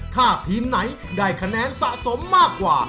ถ้าทีมไหนได้คะแนนสะสมมากกว่า